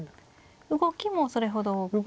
動きもそれほど少ない。